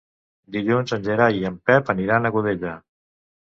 Dilluns en Gerai i en Pep aniran a Godella.